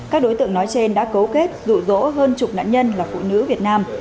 các đối tượng nói trên đã cấu kết rụ rỗ hơn chục nạn nhân là phụ nữ việt nam